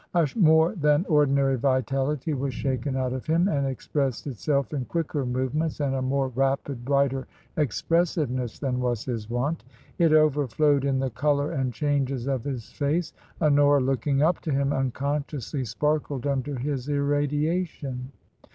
A more than ordinary vitality was shaken out of him, and expressed itself in quicker movements and a more rapid, brighter expressiveness than was his wont; it over flowed in the colour and changes of his face. Honora, lookipg up to him, unconsciously sparkled under his irradiation.